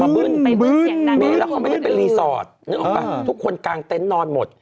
แล้วเขาไม่ได้ไปรีสอร์ทนึกออกปะทุกคนกางเต้นนอนหมด